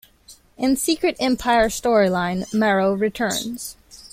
In Secret Empire storyline, Marrow returns.